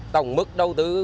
tổng mức đầu tư